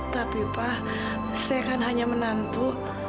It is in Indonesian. tapi pak saya kan hanya menantu